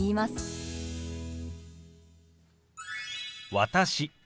「私」